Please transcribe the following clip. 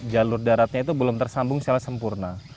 jalur daratnya itu belum tersambung secara sempurna